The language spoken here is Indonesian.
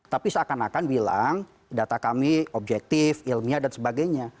tapi seakan akan bilang data kami objektif ilmiah dan sebagainya